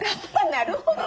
なるほどね。